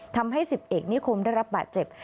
ทำให้๑๐เอกนิคมได้รับบาดเจ็บ